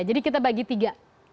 jadi kita bagi tiga